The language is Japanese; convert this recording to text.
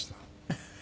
フフフ。